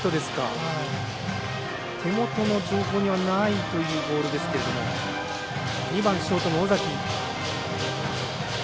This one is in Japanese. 手元の情報にはないボールですけども２番、ショートの尾崎。